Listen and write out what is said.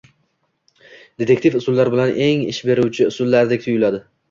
detektiv usullari esa eng ish beruvchi usullardek tuyuladi.